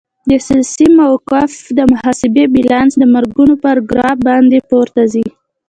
د سیاسي موقف د محاسبې بیلانس د مرګونو پر ګراف باندې پورته ځي.